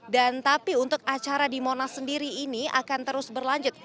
dan tapi untuk acara di monas sendiri ini akan terus berlanjut